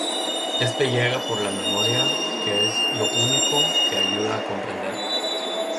Este llega por la memoria, que es lo único que ayuda a comprender.